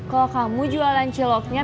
kalau kamu jualan ciloknya